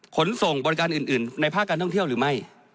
ขนส่งบริการอื่นในภาคการท่องเที่ยวหรือไม่